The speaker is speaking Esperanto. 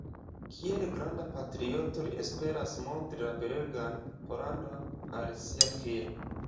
Kiel granda patrioto li esperas montri la belegan Pollandon al sia filo.